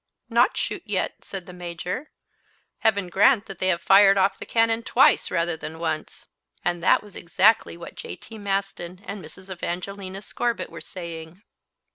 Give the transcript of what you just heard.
"Not shoot yet," said the Major. "Heaven grant that they have fired off the cannon twice rather than once." And that was exactly what J. T. Maston and Mrs. Evangelina Scorbitt were saying.